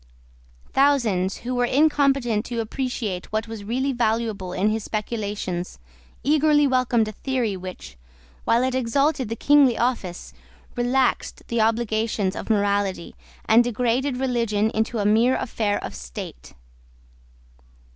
Thousands who were incompetent to appreciate what was really valuable in his speculations, eagerly welcomed a theory which, while it exalted the kingly office, relaxed the obligations of morality, and degraded religion into a mere affair of state.